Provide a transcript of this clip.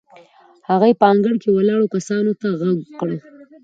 هغې په انګړ کې ولاړو کسانو ته غږ کړ.